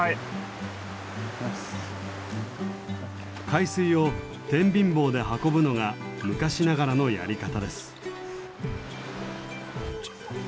海水を天秤棒で運ぶのが昔ながらのやり方です。